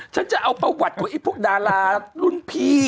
จะเอาประวัติของไอ้พวกดารารุ่นพี่